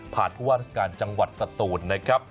ผู้ว่าราชการจังหวัดสตูนนะครับ